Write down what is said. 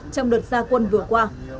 trong đợt ra quốc gia